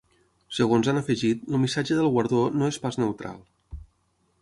Segons han afegit, el missatge del guardó ‘no és pas neutral’.